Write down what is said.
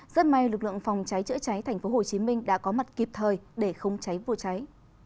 rất may lực lượng phòng cháy chữa cháy tp hcm đã có mặt kịp thời để không cháy vô cháy